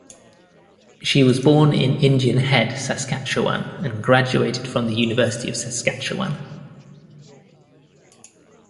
She was born in Indian Head, Saskatchewan and graduated from the University of Saskatchewan.